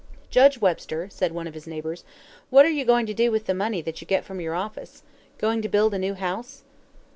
"Judge Webster," said one of his neighbors, "what are you going to do with the money that you get from your office? Going to build a new house?"